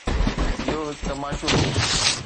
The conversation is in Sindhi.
اهو هڪ تماشو هو.